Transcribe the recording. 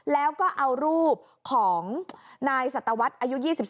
แล้วก็เอารูปของนายสัตวรรษอายุ๒๓